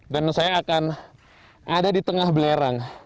dan saya akan ada di tengah belerang